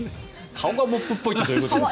顔がモップっぽいってどういうことですか。